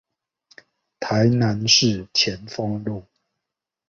台南市前鋒路